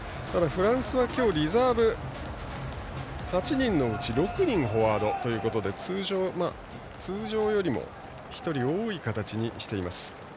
フランスは今日、リザーブ８人のうち６人がフォワードということで通常より１人多い形にしています。